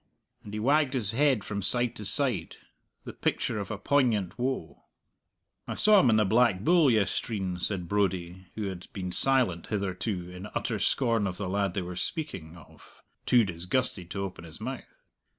and he wagged his head from side to side, the picture of a poignant woe. "I saw him in the Black Bull yestreen," said Brodie, who had been silent hitherto in utter scorn of the lad they were speaking of too disgusted to open his mouth.